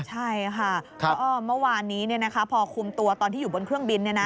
ใช่ค่ะก็เมื่อวานนี้พอคุมตัวตอนที่อยู่บนเครื่องบิน